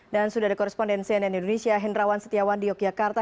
dan sudah ada koresponden cnn indonesia hendrawan setiawan di yogyakarta